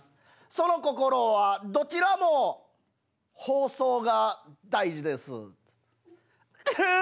その心はどちらも「ほうそう」が大事です。